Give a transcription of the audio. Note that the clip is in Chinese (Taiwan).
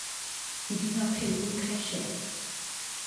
一定要配溫開水